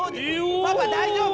パパ大丈夫？